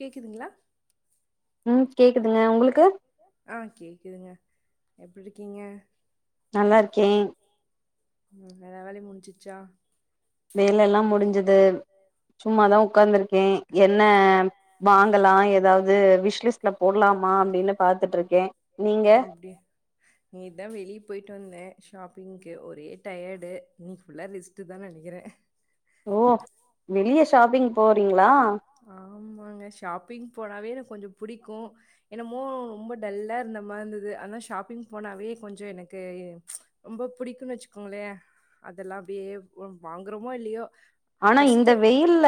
கேக்குதுங்களா ம் கேக்குதுங்க உங்களுக்கு ஆ கேக்குதுங்க எப்டி இருக்கீங்க நல்லா இருக்கேன் ம் எல்லா வேலையு முடிஞ்சிருச்சா வேல எல்லா முடிஞ்சது சும்மாதா உக்காந்துருக்கேன் என்ன வாங்கலா ஏதாவது விஷ்லிஸ்ட்ல போடலாமா அப்டின்னு பாத்துட்டு இருக்கே நீங்க இன்னிக்கிதா வெளியே போயிட்டு வந்தேன் ஷாப்பிங்க்கு ஒரே டயர்டு இன்னைக்கி ஃபுல்லா ரெஸ் டுதான்னு நெனக்கிறேன் ஓ வெளிய ஷாப்பிங் போறீங்களா ஆமாங்க ஷாப்பிங் போனாவே எனக்கு கொஞ்சோ புடிக்கு என்னமோ ரொம்ப டல்லா இருந்த மாரி இருந்தது அத ஷாப்பிங் போனாவே கொஞ்ச எனக்கு ரொம்ப பிடிக்கும்ன்னு வச்சுக்கோங்களே அதெல்லா அப்டியே வாங்குறோமோ இல்லையோ ஆனா இந்த வெயில்ல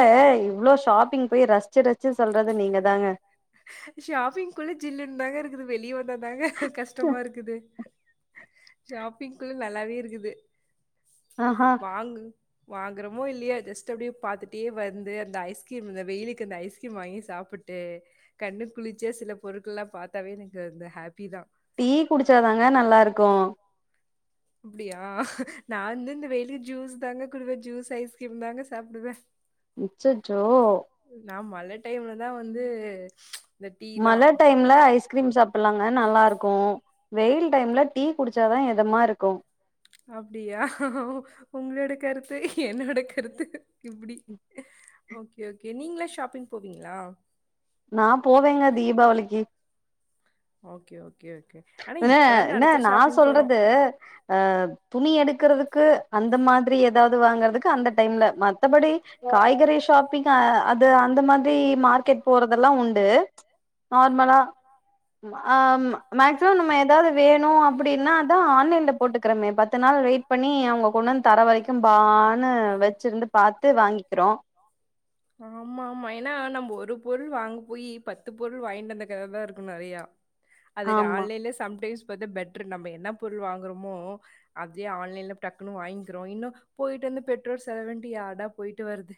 இவ்வளோ ஷாப்பிங் போய் ரஸிச்சு ரஸிச்சு சொல்றது நீங்க தாங்க ஷாப்பிங் குள்ள ஜில்லுன்னு தாங்க இருக்குது வெளியே வந்த தாங்க கஷ்டமா இருக்குது ஷாப்பிங்குள்ள நல்லாவே இருக்குது வாங்குங் வாங்குறமோ இல்லையா ஜஸ்ட் அப்டியே பாத்துட்டே வந்து அந்த ஐஸ்கிரீம் இந்த வெயிலக்கு அந்த ஐஸ்கிரீம் வாங்கி சா ப்பிட்டு கண்ணு குளிச்சிய சில பொருட்கள்லா பாத்தாவே எனக்கு வந்து ஹாப்பி தா டீ குடிச்சாதாங்க நல்லா இருக்கு அப்டியா நா வந்து இந்த வெயிலுக்கு ஜூஸ் தாங்க குடுப்பே ஜூஸ் ஐஸ்கிரீம் தாங்க சாப்பிடுவே [inaudible] இச்சச்சோ நா மழ டைம்லதா வந்து மழ டைம் ல ஐஸ்கிரீம் சாப்பலாங்க நல்லா இருக்கு வெயில் டைம்ல டீ குடிச்சாதா எதமா இருக்கு அப்படியா உங்களோட கருத்து என்னோட கருத்து இப்டி ஓகே ஓகே நீங்களா ஷாப்பிங் போவீங்ளா நா போவேங்க தீபாவளிக்கி ஓகே ஓகே ஓகே என்ன என்ன நா சொல்றது அ துணி எடுக்கறதுக்கு அந்த மாதிரி ஏதாவது வாங்கறதுக்கு அந்த டைம்ல வ மத்தபடி காய்கறி ஷாப்பிங் அது அந்த மாதிரி மார்க்கெட் போறதெல்லா உண்டு நார்மலா ஆமா மேக்சிமம் நம்ம ஏதாவது வேணு அப்டின்னா தா ஆன்லைன்ல போட்டுக்கறோமே பத்து நாள் வெயிட் பண்ணி அவுங்க கொன்னந்து தர வரைக்கு பான்னு வச்சிருந்து வந்து வாங்கிப்போ ஆமா ஆமா ஏன்னா நம்ம ஒரு பொருள் வாங்க போய் பத்து பொருள் வாங்கிட்டு வந்த கத தா இருக்கு நெறையா அதுக்கு ஆன்லைன்ல சம்டைம்ஸ் பாத்து பெட்ரு நம்ம என்ன பொருள் வாங்குறோமோ அப்டியே ஆன்லைன்ல டக்குன்னு வாங்கிறோ இன்னு போயிட்டு வந்து பெட்ரோல் செலவன்டு யார்டா போயிட்டு வருது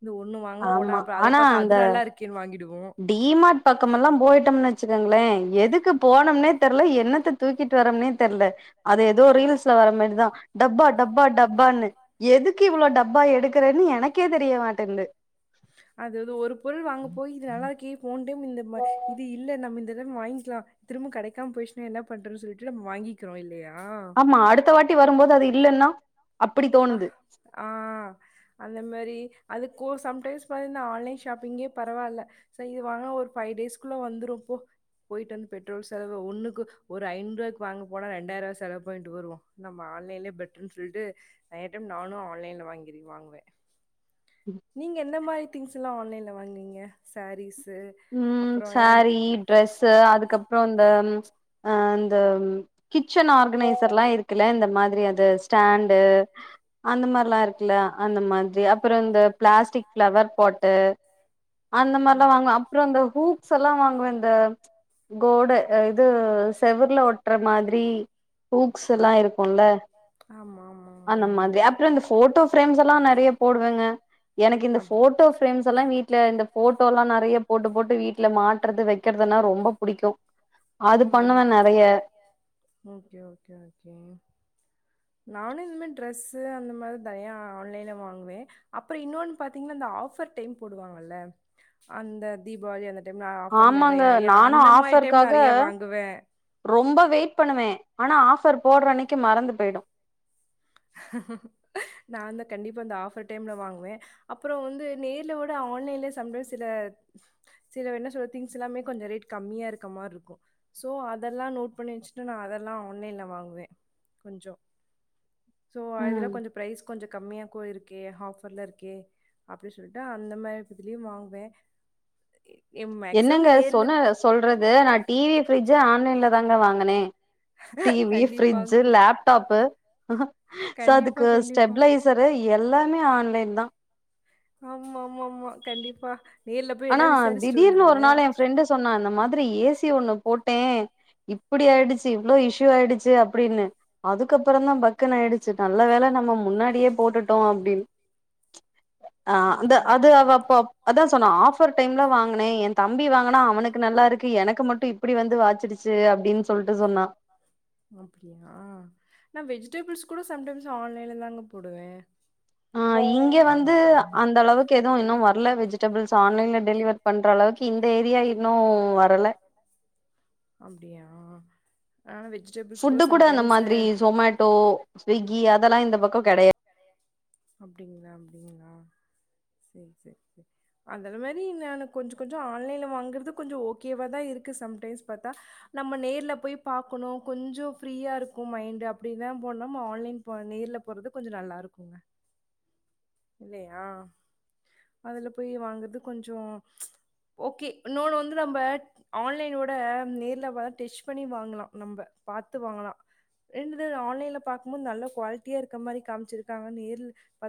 இந்த ஒண்ணு வாங்க போனா அப்புற அத பாத்தா அது நல்லா இருக்கேன் வாங்கிடுவோ டி மார்ட் பக்கமெல்லா போயிட்டோம் வச்சுகங்ளே எதுக்கு போனோம்னே தெர்ல என்னத்த தூக்கிட்டு வரோம்னே தெர்ல அது ஏதோ ரீல்ஸ்ல வர மாரிதா டப்பா டப்பா டப்பான்னு எதுக்கு இவ்ளோ டப்பா எடுக்கறேன்னு எனக்கே தெரிய மாட்டேன்து அதுது ஒரு பொருள் வாங்க போய் இது நல்லா இருக்கே போன் டைம் இந்த இது இல்ல நம்ம இந்தெரவ வாங்கிலா திரும்ப கெடைக்காம போயிருச்சுனா என்ன பண்றது சொல்லிட்டு நம் வாங்கிக்கிறோ இல்லையா ஆமா அடுத்த வாட்டி வரும்போது அது இல்லன்னா அப்டி தோணுது ஆ அந்த மாரி அதுக்கோ சம்டைம்ஸ் பார்த்த ஆன்லைன் ஷாப்பிங்கே பரவால்ல செரி இது வாங்குனா ஒரு ஃபைவ் டேஸ்க்குள்ள வந்துரு போ போயிட்டு வந்து பெட்ரோல் செலவு ஒன்னுக்கு ஒரு ஐநூறு ருவாக்கு வாங்க போனா ரெண்டாயிர ரூவா செலவு பண்ணிட்டு வருவோ நம்ம ஆன்லைன்லே பெட்ருன்னு சொல்லிட்டு நெறையா டைம் நானு ஆன்லைன்ல வாங்கிரு வாங்குவ நீங்க எந்த மாரி திங்ஸ்லா ஆன்லைன்ல வாங்கு வீங்க சாரீஸு ம் சாரீ ட்ரெஸ்ஸு அதுக்கப்றோ இந்த அ அந்த கிச்சன் ஆர்கனைசர்லா இருக்குல்ல இந்த மாதிரி அது ஸ்டாண்டு அந்த மாரிலா இருக் குல அந்த மாதிரி அப்றோ இந்த பிளாஸ்டிக் பிளவர் பாட் டுஅந்த மாரிலா வாங்குவ அப்புற இந்த ஹூப்ஸ்லா வாங்குவ இந்த கோடு இது செவுருல ஒட்ற மாதிரி ஹூக்ஸ்லா இருக்குல ஆமா ஆமா அந்த மாதிரி அப்றோ இந்த போட்டோ ப்ரேம்ஸ்லா நெறைய போடுவேங்க எனக்கு இந்த போட்டோ பிரேம்ஸ் எல்லா வீட்ல இந்த ஃபோட்டோலா நறைய போட்டு போட்டு வீட்ல மாட்டுறது வெக்கற்துன்னா ரொம்ப புடிக்கு அது பண்ணுவே நறைய ஓகே ஓகே ஓகே நானு இந்து மாரி டிரெஸ்ஸு அந்த மாரி நறையா ஆன்லைன்ல வாங்குவ அப்பற இன்னொன்னு பாத்தீங்கனா அந்த ஆஃபர் டைம் போடுவாங்கல்ல அந்த தீபாவளி அந்த ஆஃபர் நறைய யா அந்த மாரி டைம் நறைய வாங்குவ ரொம்ப வெயிட் பண்ணுவே ஆனா ஆஃபர் போடுற அன்னைக்கு மறந்து போயிடு நாந்தா கண்டிப்பா இந்த ஆஃபர் டைம்ல வாங்வே அப்றோ வந்து நேர்ல விட ஆன்லைன்லே சம்டைம் சில சில என்ன சொல்ற்த் திங்ஸ் எல்லாமே கொஞ்ச ரேட் கம்மியா இருக்க மார்ருக்கு சோ அதெல்லா நோட் பண்ணி வச்சுட்டு நா அதெல்லா ஆன்லைன்ல வாங்வே கொஞ்சோ ஸோ அதுல்லா கொஞ்சோ ப்ரைஸ் கொஞ்சோ கம்மியா போயிருக்கே ஆஃபர்ல இருக்கே அப்டி சொல்ட்டு அந்த மார் இதுலியு வாங்வே இம் மேக்சிமம் நேர்ல சொல்றது ஆனா டி வி, ஃப்ரிட்ஜு ஆன்லைன்ல தாங்க வாங்குனே T V, fridge, laptop so அதுக்கு ஸ்டெப்ளைஸ் ஸரு எல்லாமே ஆன்லைன் தா ஆமாமாமா கண்டிப்பா நேர்ல போய் எல்லா விசாரிச்ட்டு வந்துருவோ சொன்னா இந்த மாதிரி ஏ சி ஒன்னு போட்டே இப்டி ஆய்டுச்சி இவ்ளோ இஷ்ஷு ஆய்டுச்சி அப்டின்னு அதுக்கப்பறந்தா பக்குனு ஆய்டு ச்சி நல்ல வேல நம்ம முன்னாடியே போட்டுட்டோ அப்டின் ஆ அந்த அது அவ அப் அப் அதா சொன்னா ஆ ஃபர் டைம்ல வாங்குனே எந்தம்பி வாங்கனா அவனுக்கு நல்லாருக்கு எனக்கு மட்டு இப்பிடி வந்து வாச்சிடுச் சி அப்டின் சொல்ட்டு சொன்னா ஓ அப்டியா நா வெஜிடபிள்ஸ் கூட சம்டைம்ஸ் ஆன்லைன்ல தாங்க போடுவே ஆ இங்க வந்து அந்தளவுக்கு எதுவு இன்னு வர்ல வெஜிடபிள்ஸ் ஆன்லைன்ல டெலிவர் பண்றளவுக்கு இந்த ஏரியா இன்னு வரல அப்டியா ஆனா வெஜி ஃபுட்டு கூட அந்த மாதிரி ஜொமேட்டோ ஸ்விக்கி அதெல்லா இந்த பக்கோ கெடையாத் அப்டிங்களா அப்டிங்களா சேரி சேரி சேரி அதுல் மாரி நானு கொஞ்ச கொஞ்சோ ஆன்லைன்ல வாங்கற்து கொஞ்சோ ஓகேவா தா இருக்கு சம்டைம்ஸ் பாத்தா நம்ம நேர்ல போய் பாக்கணு கொஞ்சோ ஃப்ரியா இருக்கு மைண்டு அப்டில்லா போன் நம் ஆன்லைன்க்கு போன் நேர்ல போறது கொஞ்ச நல்லார்க்குங்க இல்லையா அதுல போய் வாங்கற்து கொஞ்சோ ஓகே இன்னோனு வந்து நம்ப ஆன்லைனு விட நேர்ல பாத் டெஸ் பண்ணி வாங்கலா நம்ப பாத்து வாங்கலா என்னது ஆன்லைன்ல பாக் போத் நல்ல குவால்ட்டியா இருக்க மாரி காம்ச்சிருக்காங்க நேர்ல